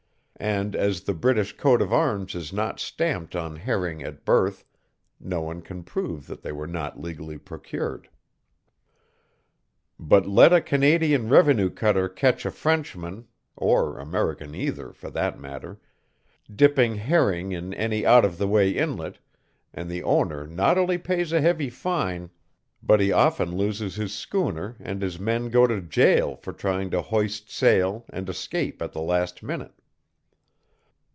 And, as the British coat of arms is not stamped on herring at birth, no one can prove that they were not legally procured. But let a Canadian revenue cutter catch a Frenchman (or American either, for that matter), dipping herring in any out of the way inlet, and the owner not only pays a heavy fine, but he often loses his schooner and his men go to jail for trying to hoist sail and escape at the last minute.